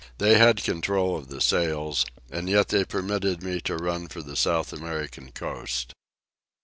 They had control of the sails, and yet they permitted me to run for the South American coast.